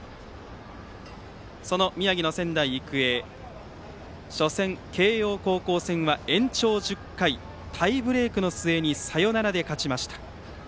その宮城の仙台育英は初戦、慶応高校戦は延長１０回タイブレークの末にサヨナラで勝ちました。